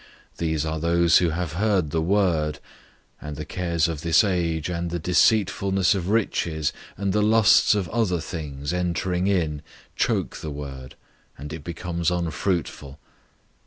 These are those who have heard the word, 004:019 and the cares of this age, and the deceitfulness of riches, and the lusts of other things entering in choke the word, and it becomes unfruitful.